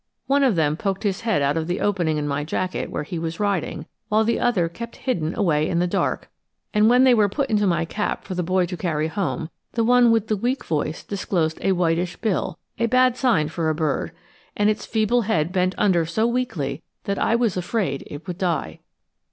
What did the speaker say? One of them poked his head out of the opening in my jacket where he was riding, while the other kept hidden away in the dark; and when they were put into my cap for the boy to carry home, the one with the weak voice disclosed a whitish bill a bad sign with a bird and its feeble head bent under it so weakly that I was afraid it would die.